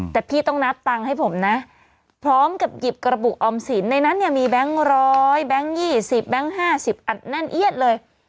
แต่พี่ต้องนับตังค์ให้ผมนะพร้อมกับหยิบกระปุกออมสินในนั้นเนี่ยมีแบงค์๑๐๐แบงค์๒๐แบงค์๕๐อัดแน่นเอียดเลย